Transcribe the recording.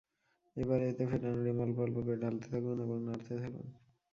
এবারে এতে ফেটানো ডিম অল্প অল্প করে ঢালতে থাকুন এবং নাড়তে থাকুন।